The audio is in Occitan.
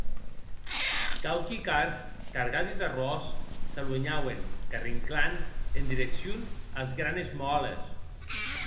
Quauqui cars cargadi d’arròs s’aluenhauen, carrinclant, en direccion as granes mòles.